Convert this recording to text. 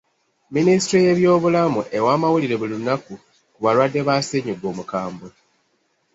Minisitule y'ebyobulamu ewa amawulire buli lunaku ku balwadde ba ssennyiga omukambwe.